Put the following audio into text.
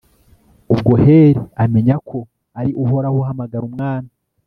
ubwo heli amenya ko ari uhoraho uhamagara umwana